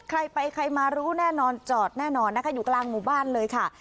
ใครไปใครมารู้แน่นอนจอดแน่นอนนะคะอยู่กลางหมู่บ้านเลยค่ะ